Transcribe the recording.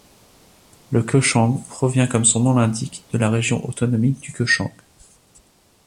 Le Kesheng provient comme son nom l'indique de la région autonome du Kesheng.